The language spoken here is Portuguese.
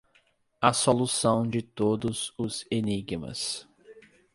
a solução de todos os enigmas